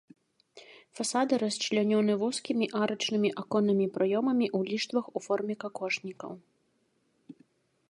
Фасады расчлянёны вузкімі арачнымі аконнымі праёмамі ў ліштвах у форме какошнікаў.